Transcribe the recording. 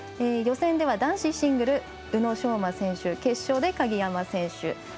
予選では男子シングル宇野昌磨選手決勝で鍵山選手。